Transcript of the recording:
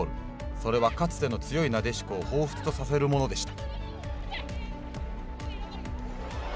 それは、かつての強いなでしこをほうふつとさせるものでした。